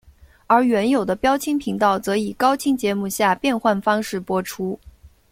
而原有的标清频道则以高清节目下变换方式播出。